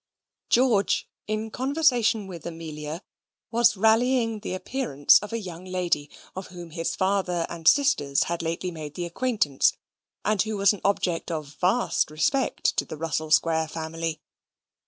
George, in conversation with Amelia, was rallying the appearance of a young lady of whom his father and sisters had lately made the acquaintance, and who was an object of vast respect to the Russell Square family.